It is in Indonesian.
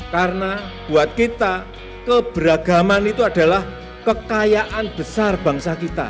karena buat kita keberagaman itu adalah kekayaan besar bangsa kita